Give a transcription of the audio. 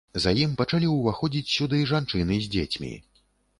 За ім пачалі ўваходзіць сюды жанчыны з дзецьмі.